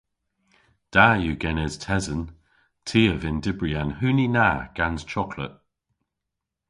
Da yw genes tesen. Ty a vynn dybri an huni na gans choklet.